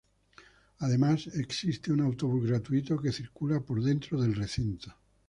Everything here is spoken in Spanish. Además, existe un autobús gratuito que circula por dentro del recinto.